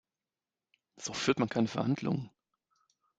So führt man keine Verhandlungen.